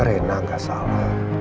rina gak salah